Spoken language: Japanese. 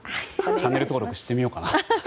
チャンネル登録してみようかな。